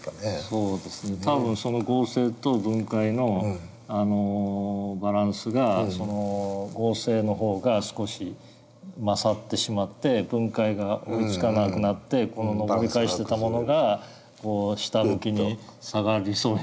そうですね多分その合成と分解のバランスがその合成の方が少し勝ってしまって分解が追いつかなくなってこの上り返してたものがこう下向きに下がりそうになったり。